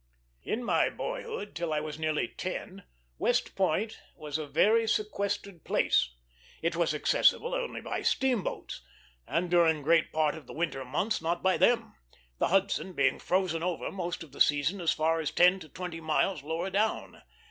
In my boyhood, till I was nearly ten, West Point was a very sequestered place. It was accessible only by steam boats; and during great part of the winter months not by them, the Hudson being frozen over most of the season as far as ten to twenty miles lower down.